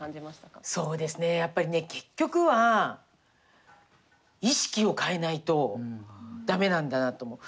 そうですねやっぱりね結局は意識を変えないと駄目なんだなと思う。